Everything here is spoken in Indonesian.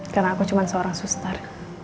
karena aku cuma seorang sustar